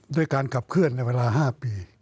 ด้วยการขับเคลื่อนในเวลา๕ปี